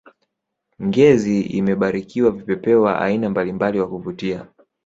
ngezi imebarikiwa vipepeo wa aina mbalimbali wa kuvutia